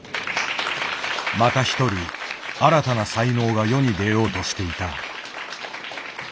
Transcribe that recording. またひとり新たな才能が世に出ようとしていた。